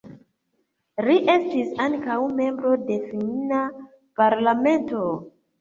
Li estis ankaŭ membro de Finna Parlamento.